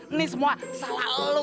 ini semua salah lo